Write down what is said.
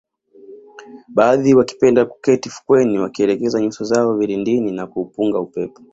Baadhi wakipenda kuketi fukweni wakielekeza nyuso zao vilindini na kupunga upepo